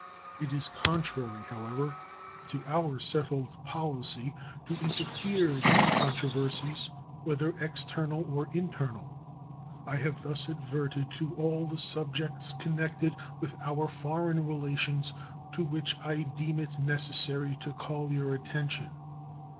It is contrary, however, to our settled policy to interfere in their controversies, whether external or internal. I have thus adverted to all the subjects connected with our foreign relations to which I deem it necessary to call your attention.